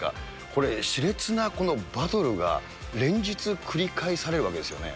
これ、しれつなバトルが連日繰り返されるわけですよね。